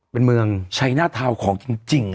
เป็นเมืองชัยหน้าทาวน์ของจริง